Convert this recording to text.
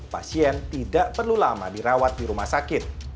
pasien tidak perlu lama dirawat di rumah sakit